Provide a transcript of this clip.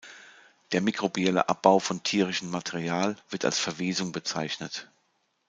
Der mikrobielle Abbau von tierischen Material wird als Verwesung bezeichnet.